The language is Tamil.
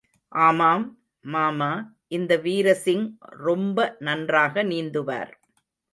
ஆமாம், மாமா, இந்த வீர்சிங் ரொம்ப நன்றாக நீந்துவார்.